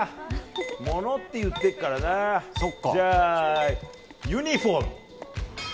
ものって言ってるからな、じゃあ、ユニホーム。